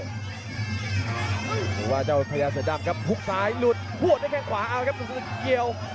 หรือว่าเจ้าทะยาเสือดำครับพุกซ้ายหลุดพวดได้แค่ขวาเอาครับกุศตึกเกี่ยว